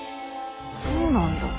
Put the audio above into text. そうなんだ。